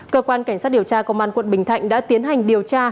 cơ quan cảnh sát điều tra công an quận bình thạnh đã tiến hành điều tra